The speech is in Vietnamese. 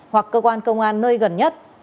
hoặc cơ quan công an nơi gần nhất